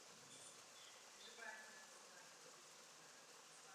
Níže postavení samci žijí na okraji tlupy.